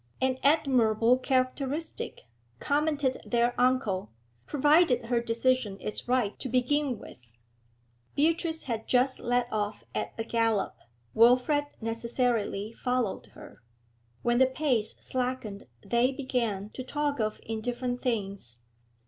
'An admirable characteristic,' commented their uncle, 'provided her decision is right to begin with.' Beatrice had just led off at a gallop; Wilfrid necessarily followed her. When the pace slackened they began to talk of Indifferent things.